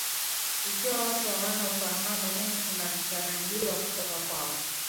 Ikiwa watu hawana ufahamu nini kinatarajiwa kutoka kwao